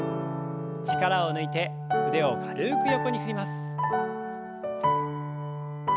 力を抜いて腕を軽く横に振ります。